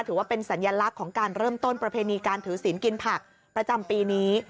ถือว่าเป็นสัญลักษณ์ของการเริ่มต้นประเพณีการถือศิลป์กินผักประจำปีนี้